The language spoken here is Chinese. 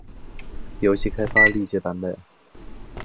游戏开发历届版本